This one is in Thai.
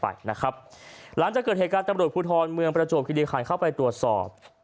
หายไปนะครับหลังจากเกิดเหตุการณ์ตรับบริโภคภูทรเมืองประจบคิดีคันเข้าไปตรวจสอบ